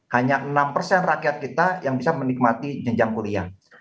hanya enam persen rakyat kita yang bisa menikmati jenjang kuliah